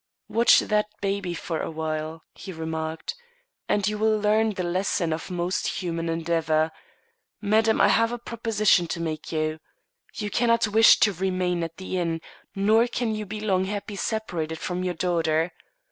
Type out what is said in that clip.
"Watch that baby for a while," he remarked, "and you will learn the lesson of most human endeavour. Madam, I have a proposition to make you. You cannot wish to remain at the inn, nor can you be long happy separated from your daughter.